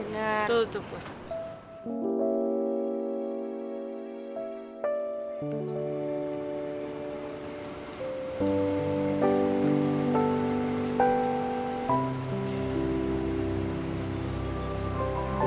betul tuh put